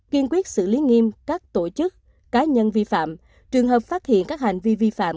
kiên quyết xử lý nghiêm các tổ chức cá nhân vi phạm trường hợp phát hiện các hành vi vi phạm